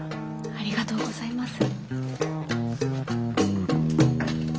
ありがとうございます。